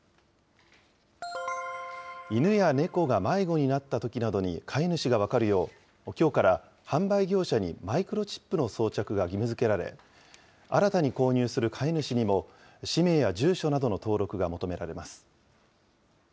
犬や猫が迷子になったときなどに飼い主が分かるよう、きょうから、販売業者にマイクロチップの装着が義務づけられ、新たに購入する飼い主にも、氏名や住所などの登録が求められます。